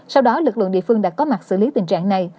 sau đó lực lượng địa phương đã có mặt xử lý tình trạng này